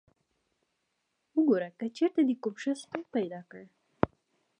وګوره که چېرته دې کوم ښه سپی پیدا کړ.